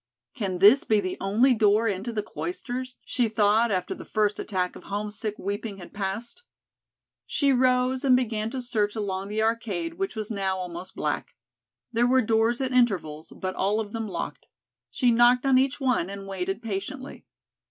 "Can this be the only door into the Cloisters?" she thought after the first attack of homesick weeping had passed. She rose and began to search along the arcade which was now almost black. There were doors at intervals but all of them locked. She knocked on each one and waited patiently.